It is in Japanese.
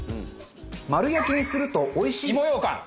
丸焼きにするとおいしい。